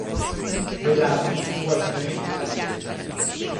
Medardus muore finalmente in pace.